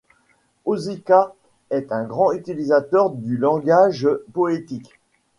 Ossyka est un grand utilisateur du langage poétique.